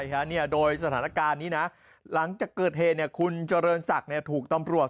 ใช่ค่ะโดยสถานการณ์นี้นะหลังจากเกิดเหคุณเจริญศักดิ์ถูกตำรวจ